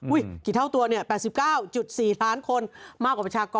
กี่เท่าตัวเนี่ย๘๙๔ล้านคนมากกว่าประชากร